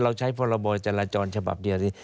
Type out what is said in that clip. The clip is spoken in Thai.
เราใช้พลบจรจรฉบับเดียวดี